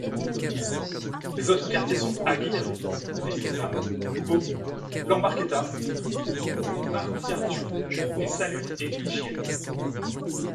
Les autres quartiers sont Agirre, Brisketa, Kubo, Lanbarketa, Martiartu et Salud e Higiene.